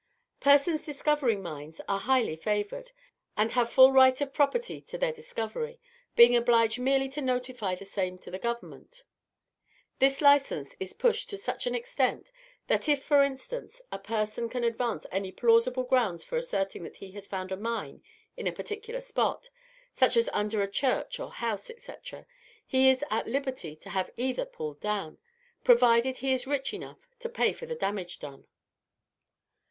Persons discovering mines are highly favoured, and have full right of property to their discovery, being obliged merely to notify the same to the government. This licence is pushed to such an extent, that if, for instance, a person can advance any plausible grounds for asserting that he has found a mine in a particular spot, such as under a church or house, etc., he is at liberty to have either pulled down, provided he is rich enough to pay for the damage done.